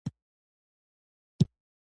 ګلاب راته په مټ کښې يوه ستن راولګوله.